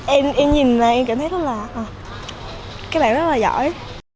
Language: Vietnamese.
em yên nhìn và em cảm thấy rất là các bạn rất là giỏi